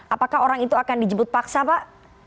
apakah orang itu akan dijemput paksa pak